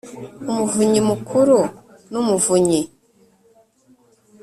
umuvunyi mukuru n umuvunyi